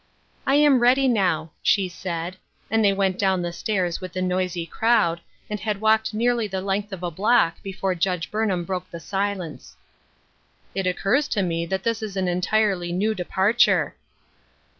" I am ready now," she said ; and they went down the stairs with the noisy crowd, and had walked nearly the length of a block before Judge Burnham broke the silence. " It occurs to me that this is an entirely new departure."